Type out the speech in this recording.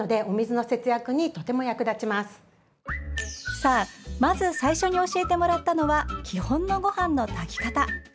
さあ、まず最初に教えてもらったのは基本のごはんの炊き方。